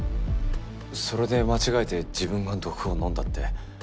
それで間違えて自分が毒を飲んだって？